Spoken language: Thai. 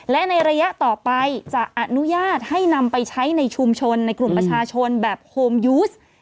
และในระยะต่อไปจะอนุญาตให้นำไปใช้ในชุมชนในกลุ่มประชาชนแบบโฮมยูส